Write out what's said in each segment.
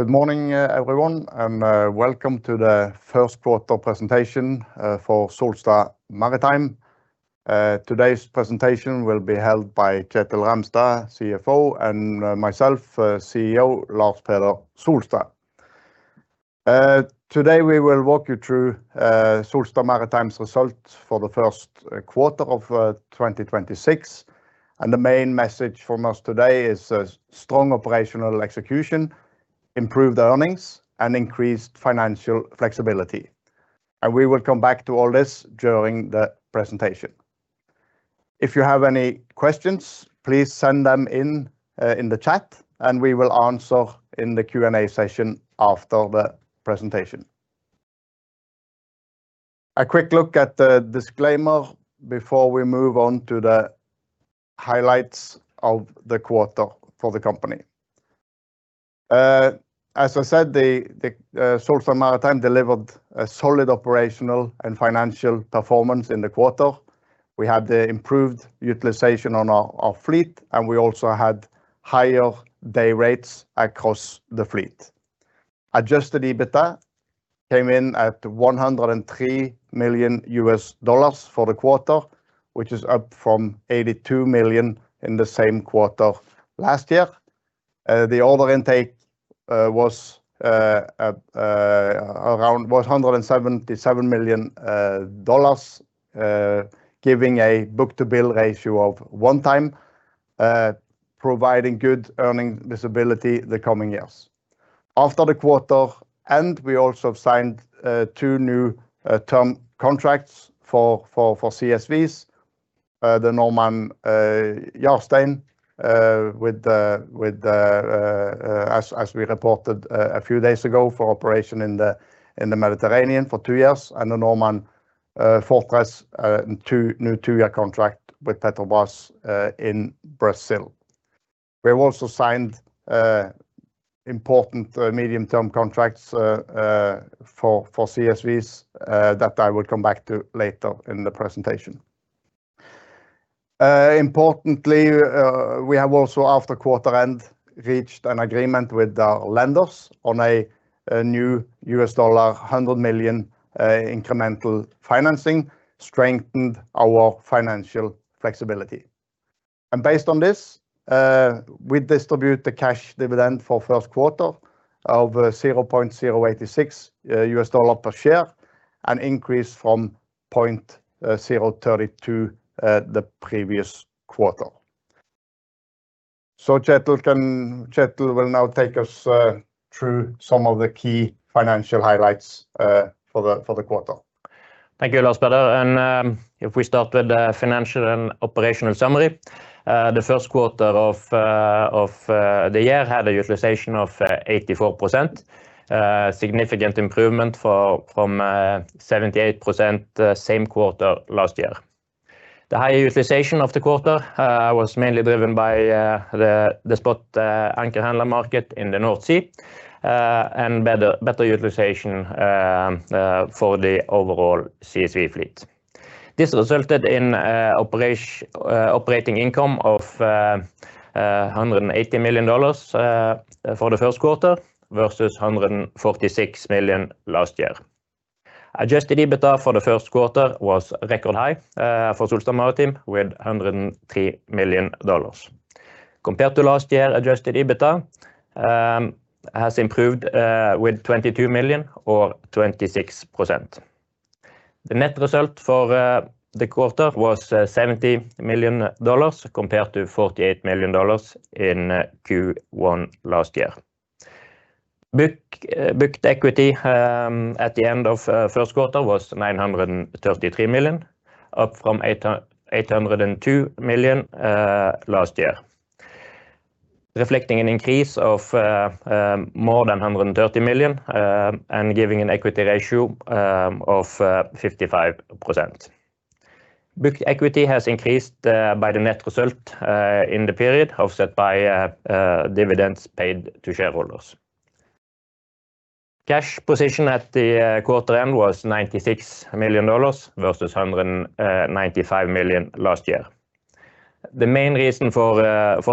Good morning, everyone. Welcome to the first quarter presentation for Solstad Maritime. Today's presentation will be held by Kjetil Ramstad, CFO, and myself, CEO, Lars Peder Solstad. Today we will walk you through Solstad Maritime's results for the first quarter of 2026, and the main message from us today is a strong operational execution, improved earnings and increased financial flexibility. We will come back to all this during the presentation. If you have any questions, please send them in in the chat, and we will answer in the Q and A session after the presentation. A quick look at the disclaimer before we move on to the highlights of the quarter for the company. As I said, Solstad Maritime delivered a solid operational and financial performance in the quarter. We had the improved utilization on our fleet, and we also had higher day rates across the fleet. Adjusted EBITA came in at $103 million for the quarter, which is up from $82 million in the same quarter last year. The order intake was around $177 million, giving a book-to-bill ratio of one time, providing good earning visibility the coming years. After the quarter end, we also signed two new term contracts for CSVs, the Normand Jarstein, as we reported a few days ago for operation in the Mediterranean for two years, and the Normand Fortress, two new two year contract with Petrobras in Brazil. We have also signed important medium-term contracts for CSVs that I will come back to later in the presentation. Importantly, we have also after quarter end reached an agreement with the lenders on a new $100 million incremental financing strengthened our financial flexibility. Based on this, we distribute the cash dividend for first quarter of $0.086 per share, an increase from $0.032 the previous quarter. Kjetil will now take us through some of the key financial highlights for the quarter. Thank you, Lars Peder. If we start with the financial and operational summary, the first quarter of the year had a utilization of 84%, significant improvement from 78% the same quarter last year. The high utilization of the quarter was mainly driven by the spot anchor handler market in the North Sea, and better utilization for the overall CSV fleet. This resulted in operating income of $180 million for the first quarter versus $146 million last year. Adjusted EBITA for the first quarter was record high for Solstad Maritime with $103 million. Compared to last year, Adjusted EBITA has improved with $22 million or 26%. The net result for the quarter was NOK 70 million compared to NOK 48 million in Q1 last year. Booked equity at the end of first quarter was 933 million, up from 802 million last year, reflecting an increase of more than 130 million and giving an equity ratio of 55%. Book equity has increased by the net result in the period offset by dividends paid to shareholders. Cash position at the quarter end was NOK 96 million versus 195 million last year. The main reason for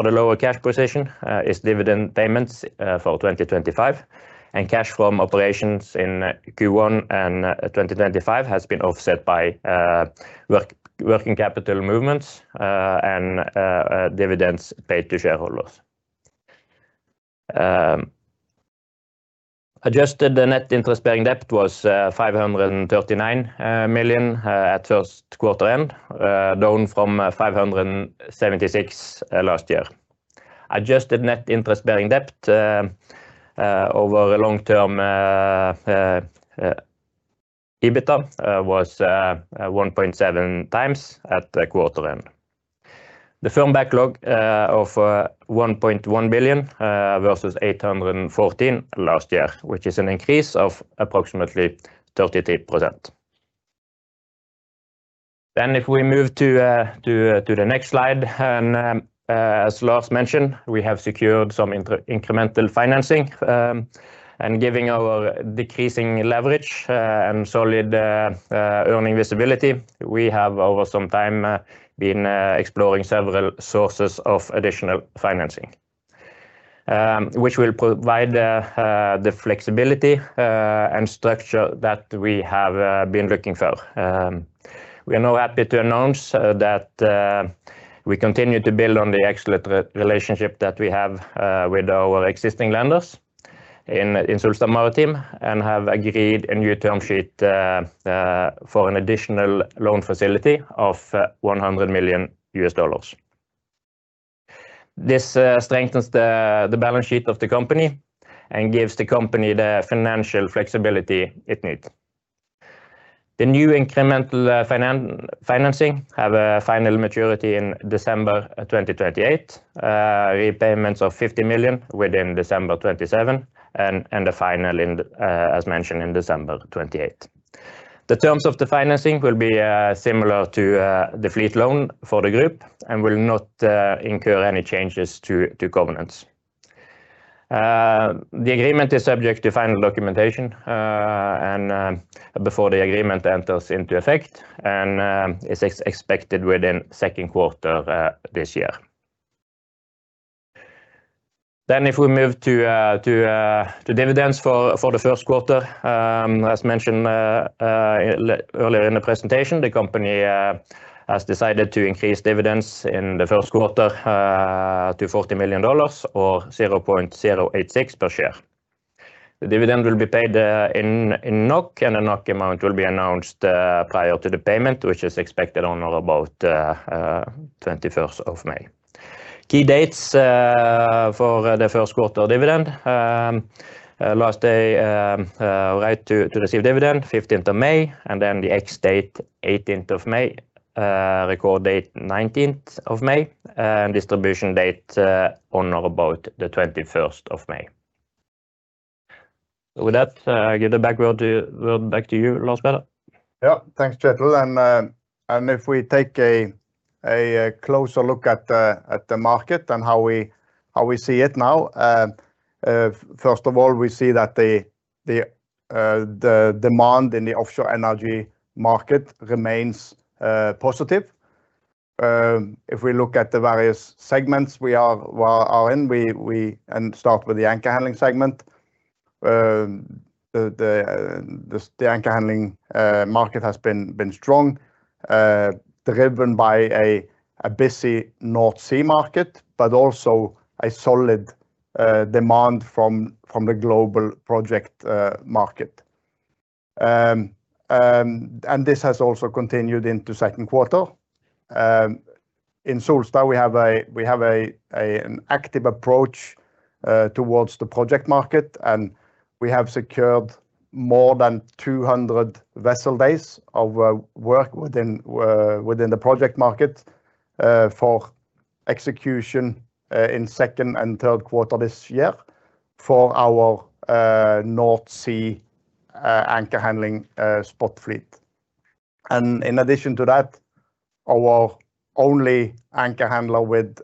the lower cash position is dividend payments for 2025, and cash from operations in Q1 and 2025 has been offset by working capital movements and dividends paid to shareholders. Adjusted net interest-bearing debt was 539 million at first quarter end, down from 576 last year. Adjusted net interest-bearing debt over long term EBITDA was 1.7 times at the quarter end. The firm backlog of 1.1 billion versus 814 last year, which is an increase of approximately 38%. If we move to the next slide, as Lars mentioned, we have secured some incremental financing, and giving our decreasing leverage and solid earning visibility. We have over some time been exploring several sources of additional financing. Which will provide the flexibility and structure that we have been looking for. We are now happy to announce that we continue to build on the excellent relationship that we have with our existing lenders in Solstad Maritime and have agreed a new term sheet for an additional loan facility of $100 million. This strengthens the balance sheet of the company and gives the company the financial flexibility it needs. The new incremental financing have a final maturity in December 2028. Repayments of 50 million within December 2027 and the final, as mentioned, in December 2028. The terms of the financing will be similar to the fleet loan for the group and will not incur any changes to covenants. The agreement is subject to final documentation and before the agreement enters into effect and is expected within second quarter this year. If we move to dividends for the first quarter, as mentioned earlier in the presentation, the company has decided to increase dividends in the first quarter to $40 million or $0.086 per share. The dividend will be paid in NOK. The NOK amount will be announced prior to the payment, which is expected on or about the 21st of May. Key dates for the first quarter dividend. Last day right to receive dividend, 15th of May, and then the ex-date, 18th of May, record date, 19th of May, and distribution date on or about the 21st of May. With that, I give it back to you, Lars Peder. Yeah, thanks, Kjetil. If we take a closer look at the market and how we, how we see it now, first of all, we see that the demand in the offshore energy market remains positive. If we look at the various segments we are, we are in, start with the anchor handling segment, the anchor handling market has been strong, driven by a busy North Sea market, also a solid demand from the global project market. This has also continued into second quarter. In Solstad, we have an active approach towards the project market, and we have secured more than 200 vessel days of work within the project market for execution in second and third quarter this year for our North Sea anchor handling spot fleet. In addition to that, our only anchor handler with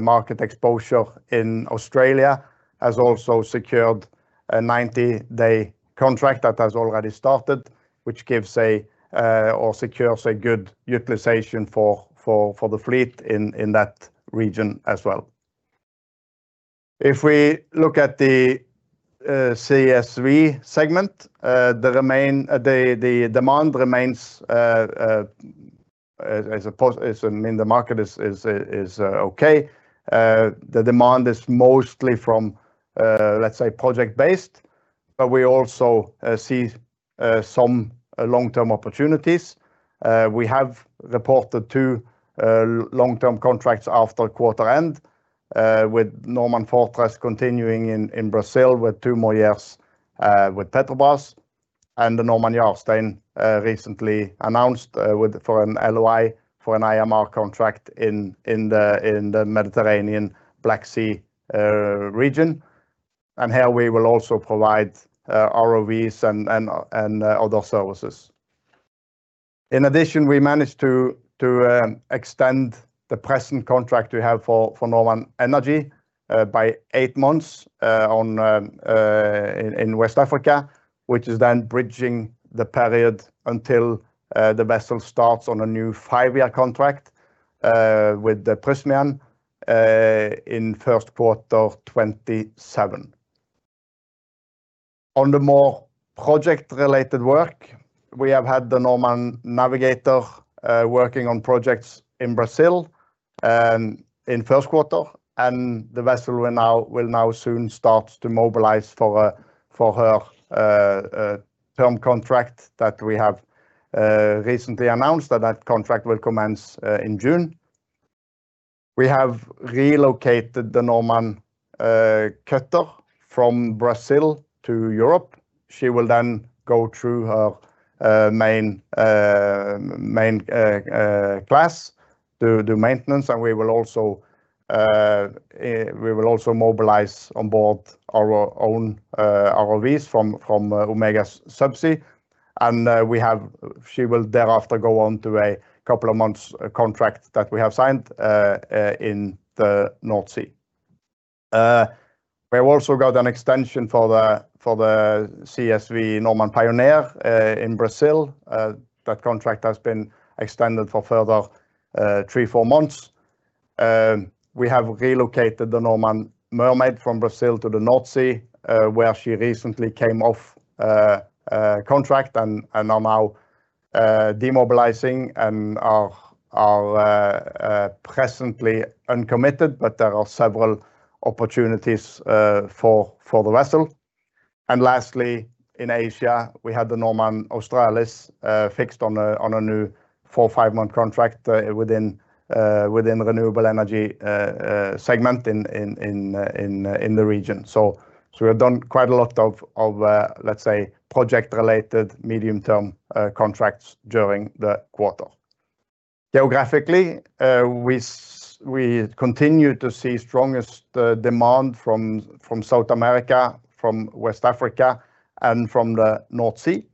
market exposure in Australia has also secured a 90-day contract that has already started, which gives or secures a good utilization for the fleet in that region as well. If we look at the CSV segment, the demand remains, I mean, the market is okay. The demand is mostly from, let's say, project-based, but we also see some long-term opportunities. We have reported two long-term contracts after quarter end, with Normand Fortress continuing in Brazil with two more years with Petrobras, and the Normand Jarstein recently announced for an LOI for an IMR contract in the Mediterranean Black Sea region. Here we will also provide ROVs and other services. In addition, we managed to extend the present contract we have for Normand Energy by eight months on in West Africa, which is then bridging the period until the vessel starts on a new five year contract with the Prysmian in first quarter of 2027. On the more project-related work, we have had the Normand Navigator working on projects in Brazil in first quarter, and the vessel will now soon start to mobilize for her term contract that we have recently announced that that contract will commence in June. We have relocated the Normand Cutter from Brazil to Europe. She will then go through her main class to do maintenance, and we will also mobilize on board our own ROVs from Omega Subsea. She will thereafter go on to a couple of months contract that we have signed in the North Sea. We've also got an extension for the CSV Normand Pioneer in Brazil. That contract has been extended for further three, four months. We have relocated the Normand Mermaid from Brazil to the North Sea, where she recently came off a contract and now demobilizing and are presently uncommitted. There are several opportunities for the vessel. Lastly, in Asia, we had the Normand Australis fixed on a new four, five month contract within renewable energy segment in the region. We have done quite a lot of, let's say, project-related medium-term contracts during the quarter. Geographically, we continue to see strongest demand from South America, from West Africa, and from the North Sea.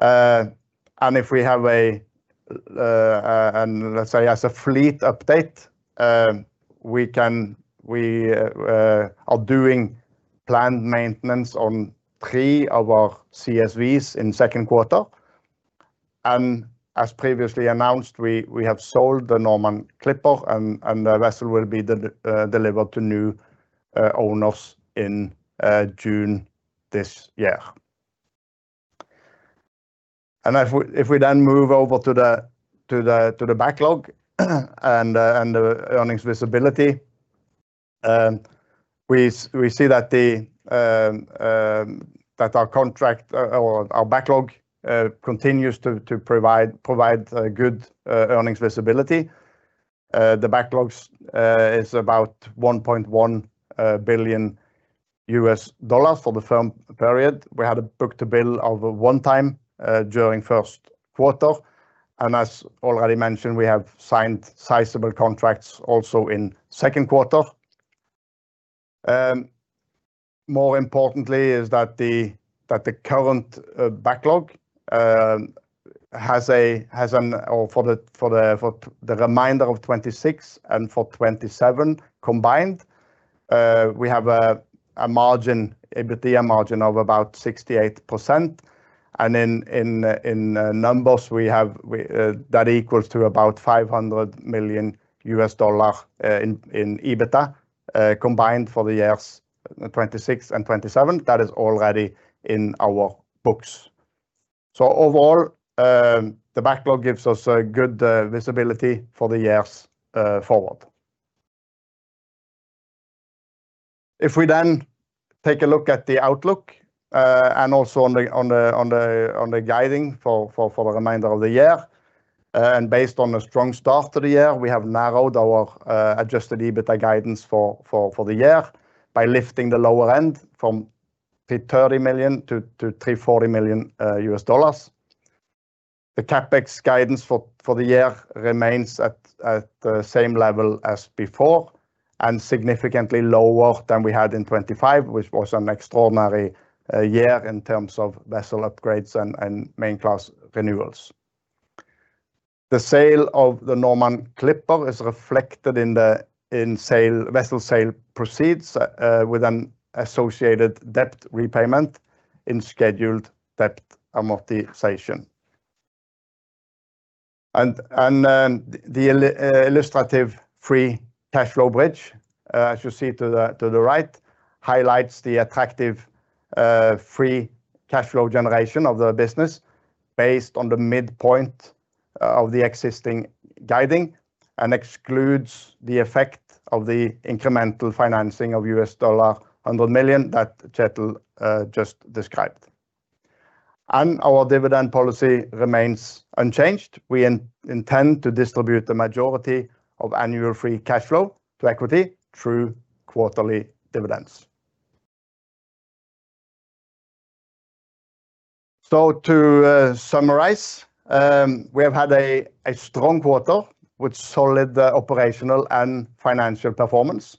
If we have a, let's say as a fleet update, we are doing planned maintenance on three of our CSVs in Q2. As previously announced, we have sold the Normand Clipper, and the vessel will be delivered to new owners in June this year. If we then move over to the backlog and earnings visibility, we see that our contract or our backlog continues to provide good earnings visibility. The backlog is about $1.1 billion for the firm period. We had a book-to-bill of 1 time during Q1. As already mentioned, we have signed sizable contracts also in Q2. More importantly is that the current backlog has an order for the remainder of 2026 and for 2027 combined, we have an EBITDA margin of about 68%. In numbers, we have that equals to about $500 million in EBITDA combined for the years 2026 and 2027. That is already in our books. Overall, the backlog gives us a good visibility for the years forward. If we then take a look at the outlook, and also on the guiding for the remainder of the year, and based on a strong start to the year, we have narrowed our adjusted EBITDA guidance for the year by lifting the lower end from $30 million to $340 million U.S. dollars. The CapEx guidance for the year remains at the same level as before, and significantly lower than we had in 2025, which was an extraordinary year in terms of vessel upgrades and main class renewals. The sale of the Normand Clipper is reflected in the vessel sale proceeds, with an associated debt repayment in scheduled debt amortization. The illustrative free cash flow bridge, as you see to the right, highlights the attractive free cash flow generation of the business based on the midpoint of the existing guiding and excludes the effect of the incremental financing of $100 million that Kjetil just described. Our dividend policy remains unchanged. We intend to distribute the majority of annual free cash flow to equity through quarterly dividends. To summarize, we have had a strong quarter with solid operational and financial performance.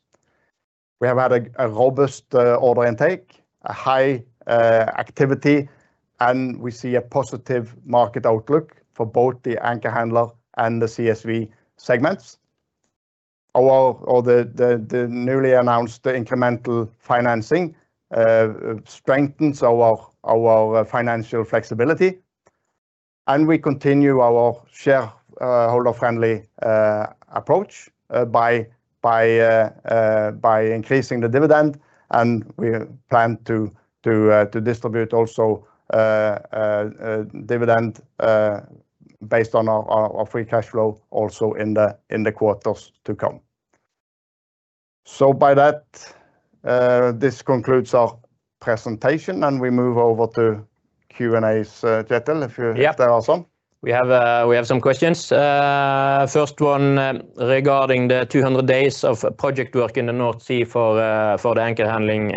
We have had a robust order intake, a high activity, and we see a positive market outlook for both the anchor handler and the CSV segments. Our newly announced incremental financing strengthens our financial flexibility, and we continue our shareholder friendly approach by increasing the dividend. We plan to distribute also dividend based on our free cash flow also in the quarters to come. By that, this concludes our presentation, and we move over to Q and A. Kjetil, if you have some. Yeah. We have some questions. First one regarding the 200 days of project work in the North Sea for the anchor handling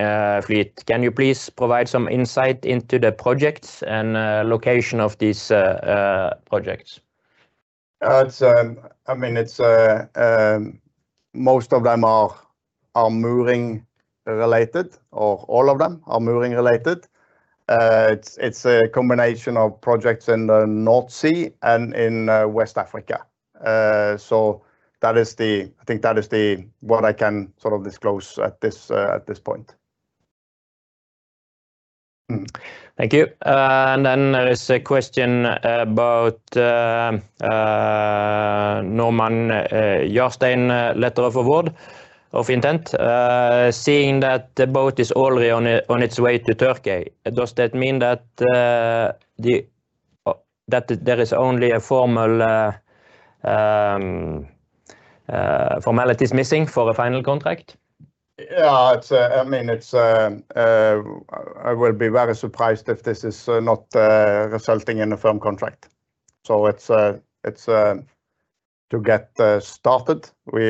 fleet. Can you please provide some insight into the projects and location of these projects? It's, I mean, it's most of them are mooring related, or all of them are mooring related. It's a combination of projects in the North Sea and in West Africa. That is the I think that is the, what I can sort of disclose at this point. Thank you. There is a question about Normand Jarstein letter of award, of intent. Seeing that the boat is already on its way to Turkey, does that mean that there is only a formal formalities missing for a final contract? Yeah. I mean, I will be very surprised if this is not resulting in a firm contract. It's to get started, or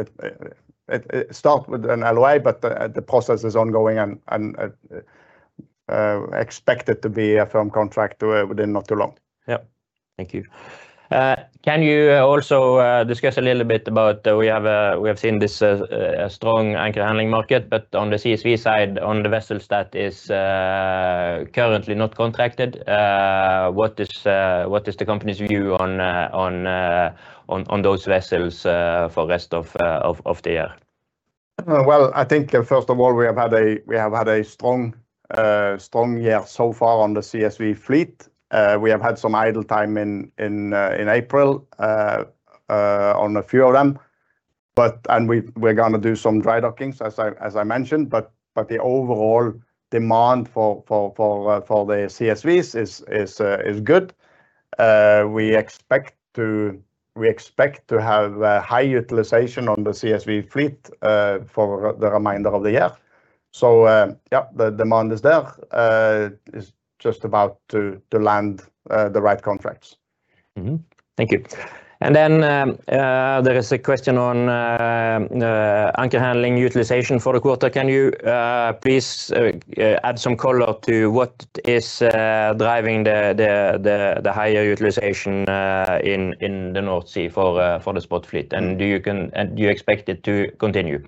it start with an LOI, but the process is ongoing and expected to be a firm contract within not too long. Yep. Thank you. Can you also discuss a little bit about, we have seen this strong anchor handling market, but on the CSV side, on the vessels that is currently not contracted, what is the company's view on those vessels for rest of the year? Well, I think first of all, we have had a strong year so far on the CSV fleet. We have had some idle time in April on a few of them, but we're gonna do some dry dockings, as I mentioned. The overall demand for the CSVs is good. We expect to have a high utilization on the CSV fleet for the remainder of the year. Yeah, the demand is there. It's just about to land the right contracts. Thank you. There is a question on anchor handling utilization for the quarter. Can you please add some color to what is driving the higher utilization in the North Sea for the spot fleet? Do you expect it to continue?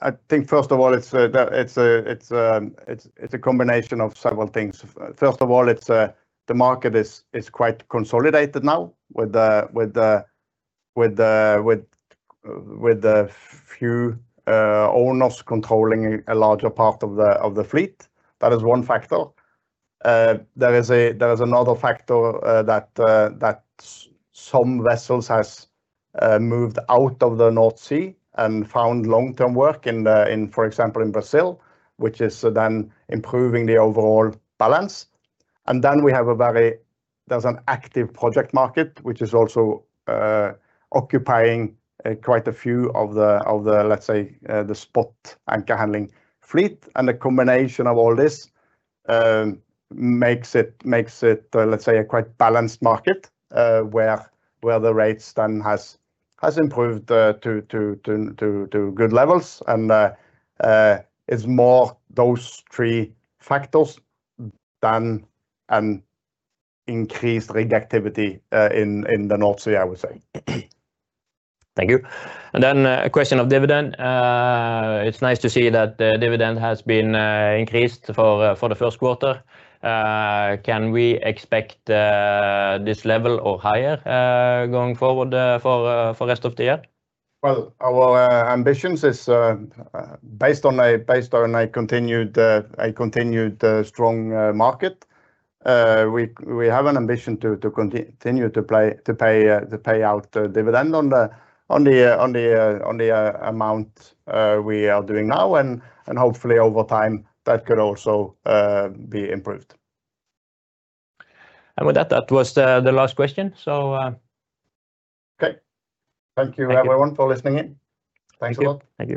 I think first of all, it's a combination of several things. First of all, the market is quite consolidated now with the few owners controlling a larger part of the fleet. That is one factor. There is another factor, that some vessels has moved out of the North Sea and found long-term work in, for example, in Brazil, which is then improving the overall balance. We have a very active project market which is also occupying quite a few of the, let's say, the spot anchor handling fleet. The combination of all this makes it, let's say, a quite balanced market, where the rates then has improved to good levels. It's more those three factors than an increased rig activity in the North Sea, I would say. Thank you. Then a question of dividend. It's nice to see that the dividend has been increased for the first quarter. Can we expect this level or higher going forward for rest of the year? Well, our ambitions is based on a continued, strong market. We have an ambition to continue to pay out dividend on the amount we are doing now. Hopefully over time that could also be improved. With that was the last question. Okay. Thank you— Thank you. Everyone for listening in. Thanks a lot. Thank you.